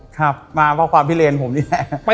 ครับมาเพราะความพิเลนผมนี่แหละ